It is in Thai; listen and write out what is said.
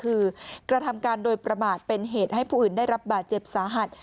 คือกระทำการโดยประมาทเป็นเหตุให้ผู้อื่นได้รับบาดเจ็บสาหัส